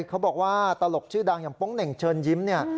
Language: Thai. เขาบอกว่าตลกชื่อดังอย่างโป๊งเหน่งเชิญยิ้มเนี่ย